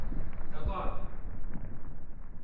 D'acòrd.